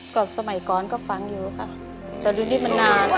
ก็สมัยก่อนก็ฟังอยู่ค่ะแต่ดูนี่มันนาน